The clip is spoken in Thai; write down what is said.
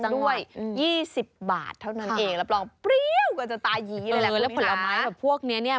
ไม่แพงด้วย๒๐บาทเท่านั้นเองแล้วปลอมเปรี้ยวกว่าจะตายีอะไรแหละคุณพี่คะ